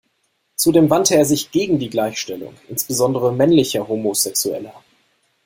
Zudem wandte er sich gegen die Gleichstellung insbesondere männlicher Homosexueller.